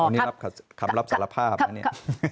นี่รับคำรับสารภาพนะเนี่ย